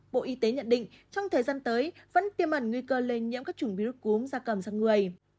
bộ y tế nhận định trong thời gian tới vẫn tiêm ẩn nguy cơ lây nhiễm các chủng virus cúm da cầm sang người